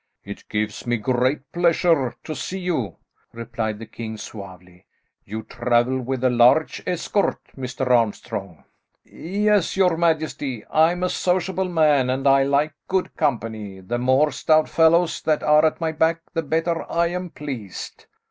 "It gives me great pleasure to see you," replied the king, suavely. "You travel with a large escort, Mr. Armstrong?" "Yes, your majesty, I am a sociable man and I like good company. The more stout fellows that are at my back, the better I am pleased."